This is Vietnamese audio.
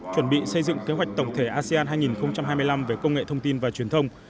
chuẩn bị xây dựng kế hoạch tổng thể asean hai nghìn hai mươi năm về công nghệ thông tin và truyền thông